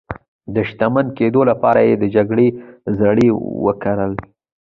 د شتمن کېدو لپاره یې د جګړې زړي وکرل.